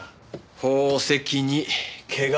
宝石に毛皮。